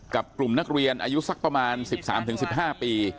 กลุ่มนักเรียนอายุสักประมาณ๑๓๑๕ปี